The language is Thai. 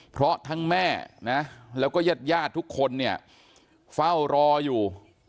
เพราะทั้งแม่นะแล้วก็ญาติญาติทุกคนเนี่ยเฝ้ารออยู่